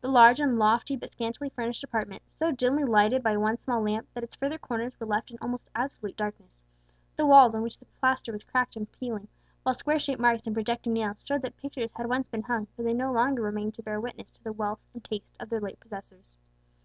The large and lofty but scantily furnished apartment, so dimly lighted by one small lamp that its further corners were left in almost absolute darkness; the walls, on which the plaster was cracked and peeling; while square shaped marks and projecting nails showed that pictures had once been hung where they no longer remained to bear witness to the wealth and taste of their late possessors.